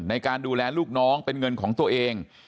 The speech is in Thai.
ในการดูแลลูกน้องเป็นเงินของตัวเอง